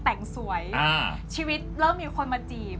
แต่งสวยชีวิตเริ่มมีคนมาจีบ